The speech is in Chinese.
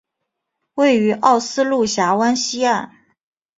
位于奥斯陆峡湾西岸。